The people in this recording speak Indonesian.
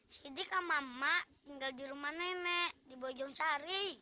siddiq sama emak tinggal di rumah nenek di bojong sari